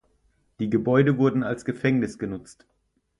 Die Gebäude wurden als Gefängnis genutzt.